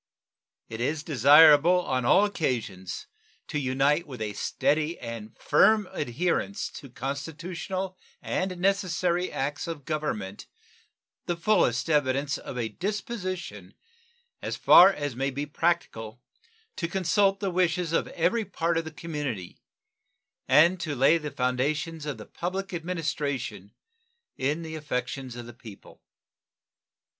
It is desirable on all occasions to unite with a steady and firm adherence to constitutional and necessary acts of Government the fullest evidence of a disposition as far as may be practicable to consult the wishes of every part of the community and to lay the foundations of the public administration in the affections of the people.